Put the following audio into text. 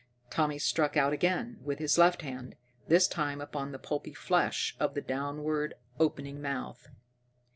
Tommy struck out again with his left hand, this time upon the pulpy flesh of the downward opening mouth.